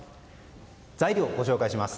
材料をご紹介します。